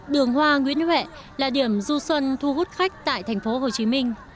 đường hoa nguyễn huệ là điểm du xuân thu hút khách tại thành phố hồ chí minh